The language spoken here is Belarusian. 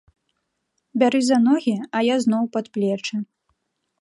Бяры за ногі, а я зноў пад плечы.